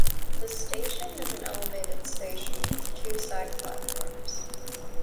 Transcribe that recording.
The station is an elevated station with two side platforms.